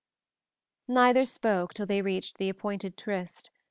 Neither spoke till they reached the appointed tryst.